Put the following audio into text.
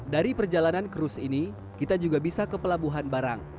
dari perjalanan krus ini kita juga bisa ke pelabuhan barang